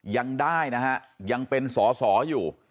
ยังได้นะฮะยังเป็นสอสออยู่